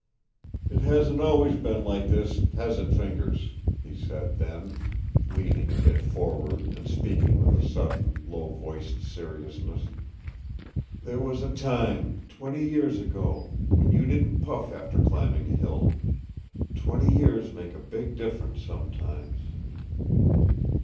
"It hasn't always been like this, has it, Fingers?" he said then, leaning a bit forward and speaking with a sudden, low voiced seriousness. "There was a time, twenty years ago, when you didn't puff after climbing a hill. Twenty years make a big difference, sometimes."